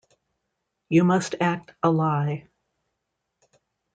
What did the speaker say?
You must act a lie.